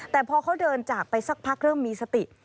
แต่พอเขาเดินจากไปสักพักเริ่มมีสติ